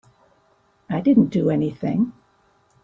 I didn't do anything.